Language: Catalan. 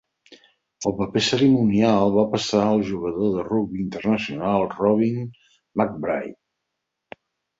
El paper cerimonial va passar al jugador de rugbi internacional Robin McBryde.